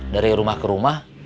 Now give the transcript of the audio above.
dari rumah ke rumah